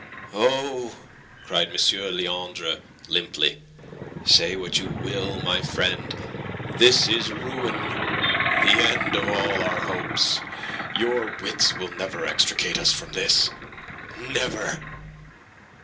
"Oh!" cried M. Leandre, limply. "Say what you will, my friend, this is ruin the end of all our hopes. Your wits will never extricate us from this. Never!"